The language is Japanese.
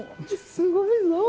すごいぞ！